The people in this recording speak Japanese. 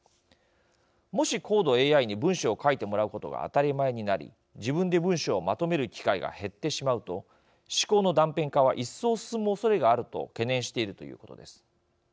もし、高度ＡＩに文章を書いてもらうことが当たり前になり自分で文章をまとめる機会が減ってしまうと思考の断片化は一層進むおそれがあると懸念しているということです。